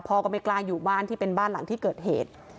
ก็ไม่กล้าอยู่บ้านที่เป็นบ้านหลังที่เกิดเหตุ